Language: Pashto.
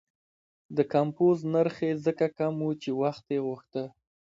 د کمپوز نرخ یې ځکه کم و چې وخت یې غوښته.